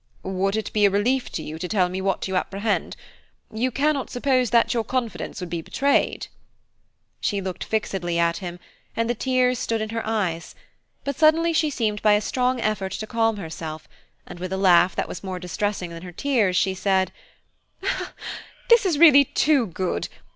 "Would it be a relief to you to tell me what you apprehend? You cannot suppose that your confidence would be betrayed." She looked fixedly at him, and the tears stood in her eyes; but suddenly she seemed by a strong effort to calm herself, and, with a laugh that was more distressing than her tears, she said, "This is really too good